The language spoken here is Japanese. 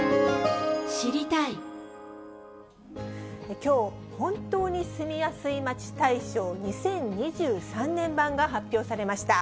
きょう、本当に住みやすい街大賞２０２３年版が発表されました。